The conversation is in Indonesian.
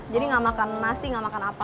jadi gak makan nasi gak makan apa